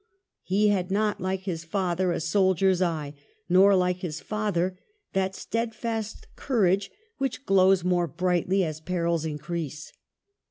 He had not^ like his father, a soldier's eye, nor, like his father, that steadfast courage which glows more brightly as perils increase.